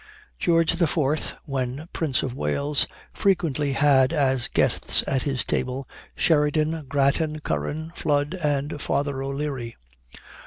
George the Fourth, when Prince of Wales, frequently had as guests at his table Sheridan, Grattan, Curran, Flood, and Father O'Leary.